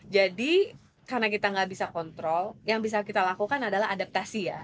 jadi karena kita nggak bisa kontrol yang bisa kita lakukan adalah adaptasi ya